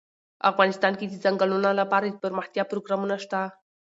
افغانستان کې د ځنګلونه لپاره دپرمختیا پروګرامونه شته.